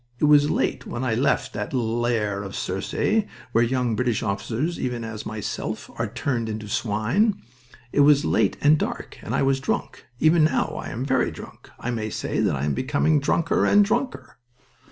It was late when I left that lair of Circe, where young British officers, even as myself, are turned into swine. It was late and dark, and I was drunk. Even now I am very drunk. I may say that I am becoming drunker and drunker."